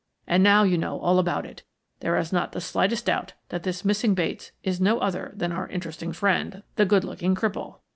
And now you know all about it. There is not the slightest doubt that this missing Bates is no other than our interesting friend, the good looking cripple.